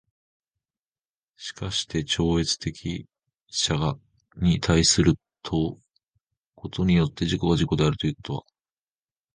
しかして超越的一者に対することによって自己が自己であるということは、